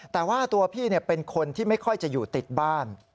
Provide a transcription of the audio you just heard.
แต่ว่าตัวพี่เป็นคนที่ไม่ค่อยจะอยู่ติดบ้าน